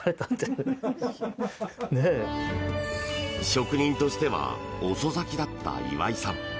職人としては遅咲きだった岩井さん。